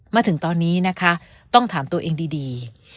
มาถึงตอนนี้นะคะต้องถามตัวเองดี